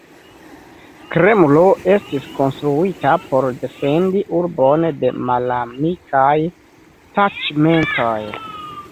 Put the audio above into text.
Kremlo estis konstruita por defendi urbon de malamikaj taĉmentoj.